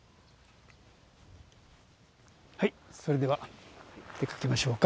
はいそれでは出掛けましょうか。